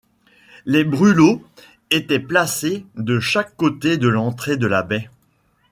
Les brûlots étaient placés de chaque côté de l'entrée de la baie.